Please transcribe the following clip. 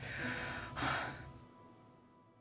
はあ。